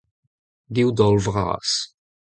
div daol vras.